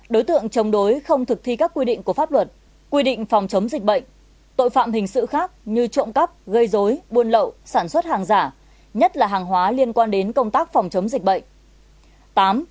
đối tượng chống đối không thực thi các quy định của pháp luật quy định phòng chống dịch bệnh tội phạm hình sự khác như trộm cắp gây dối buôn lậu sản xuất hàng giả nhất là hàng hóa liên quan đến công tác phòng chống dịch bệnh